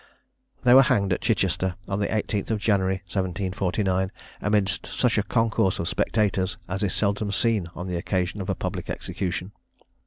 They were hanged at Chichester on the 18th of January 1749, amidst such a concourse of spectators as is seldom seen on the occasion of a public execution.